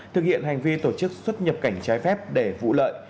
thực hiện hành vi tổ chức xuất nhập cảnh trái phép để vụ lợi